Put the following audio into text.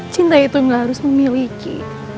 cinta itu gak harus memiliki